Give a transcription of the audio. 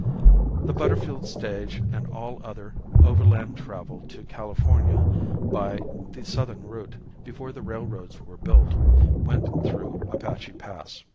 The Butterfield stage and all other overland travel to California by the southern route before the railroads were built, went through Apache Pass.